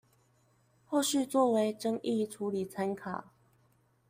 後續作為爭議處理參考